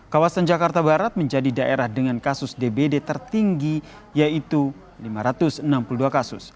kawasan jakarta barat menjadi daerah dengan kasus dbd tertinggi yaitu lima ratus enam puluh dua kasus